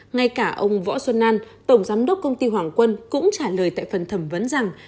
ngay cả ông võ xuân an tổng giám đốc công ty hoàng quân cũng trả lời tại phần thẩm vấn rằng